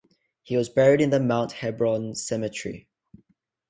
He was buried in the Mount Hebron Cemetery.